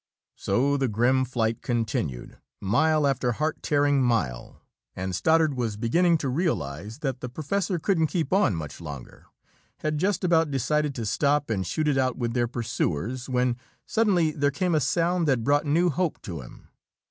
So the grim flight continued, mile after heart tearing mile, and Stoddard was beginning to realize that the professor couldn't keep on much longer had just about decided to stop and shoot it out with their pursuers when suddenly there came a sound that brought new hope to him.